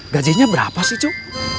gajinya berapa sih cuk